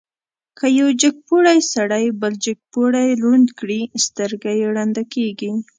که یو جګپوړی سړی بل جګپوړی ړوند کړي، سترګه یې ړنده کېږي.